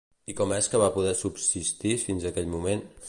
I com és que va poder subsistir fins a aquell moment?